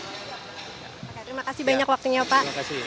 oke terima kasih banyak waktunya pak